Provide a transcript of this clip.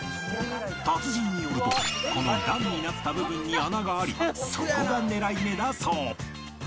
達人によるとこの段になった部分に穴がありそこが狙い目だそう